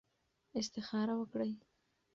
استخاره وکړئ.